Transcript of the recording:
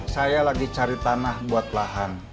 saya lagi cari tanah buat lahan